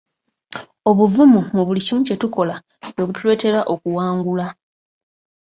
Obuvumu mu buli kimu kye tukola bwe butuleetera okuwangula.